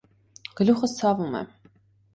գլուխս ցավում է…